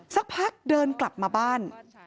สักพักเดินกลับมาบ้าน